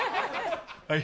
はい。